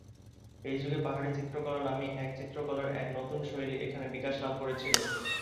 এই যুগে পাহাড়ি চিত্রকলা নামে এক চিত্রকলার এক নতুন শৈলী এখানে বিকাশ লাভ করেছিল।